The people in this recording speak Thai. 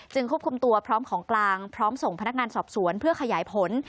ควบคุมตัวพร้อมของกลางพร้อมส่งพนักงานสอบสวนเพื่อขยายผล